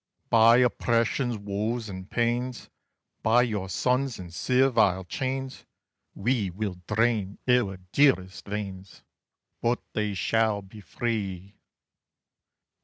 By Oppression's woes and pains! By your sons in servile chains, We will drain our dearest veins, But they shall be free!